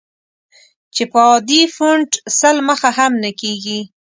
چې په عادي فونټ سل مخه هم نه کېږي.